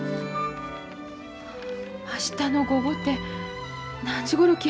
明日の午後て何時ごろ来